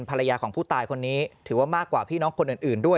ภรรยาของผู้ตายคนนี้ถือว่ามากกว่าพี่น้องคนอื่นด้วย